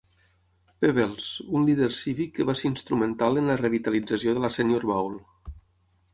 Peebles, un líder cívic que va ser instrumental en la revitalització de la Senior Bowl.